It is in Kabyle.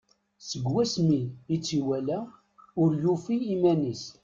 Seg wasmi i tt-iwala ur yufi iman-is.